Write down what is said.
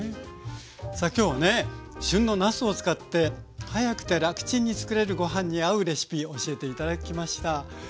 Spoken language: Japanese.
さあ今日はね旬のなすを使って早くてらくちんにつくれるご飯に合うレシピ教えて頂きました。